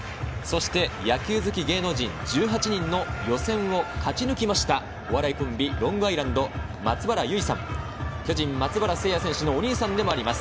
野球好き芸能人１８人の予選を勝ち抜いたお笑いコンビ、ロングアイランド・松原ゆいさん、巨人・松原聖弥選手のお兄さんであります。